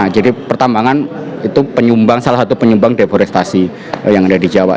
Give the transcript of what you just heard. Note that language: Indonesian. jadi pertambangan itu penyumbang salah satu penyumbang deforestasi yang ada di jawa